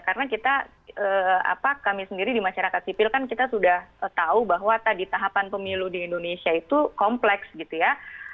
karena kita kami sendiri di masyarakat sipil kan kita sudah tahu bahwa tadi tahapan pemilu di indonesia itu kompleks gitu ya